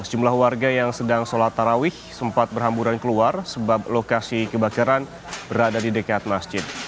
sejumlah warga yang sedang sholat tarawih sempat berhamburan keluar sebab lokasi kebakaran berada di dekat masjid